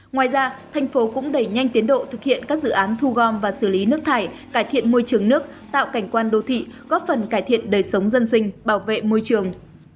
ngoài ra thành phố cũng đẩy nhanh tiến độ thực hiện các dự án thu gom và xử lý nước thải cải thiện môi trường nước tạo cảnh quan đô thị góp phần cải thiện đời sống dân sinh bảo vệ môi trường